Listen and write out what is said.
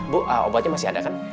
bu obatnya masih ada kan